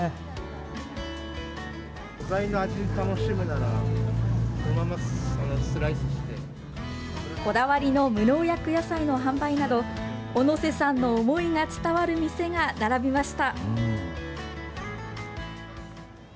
素材の味を楽しむなら、こだわりの無農薬野菜の販売など、小野瀬さんの思いが伝わる店が並びました。